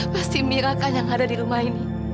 pasti mira kan yang ada di rumah ini